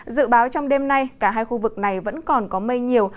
dự báo trong đêm nay cả hai khu vực này vẫn còn có mây nhiều